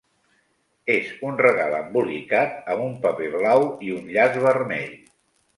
És un regal embolicat amb un paper blau i un llaç vermell.